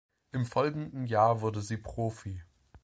Im folgenden Jahr wurde sie Profi.